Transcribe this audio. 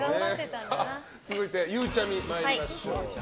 続いて、ゆうちゃみ参りましょう。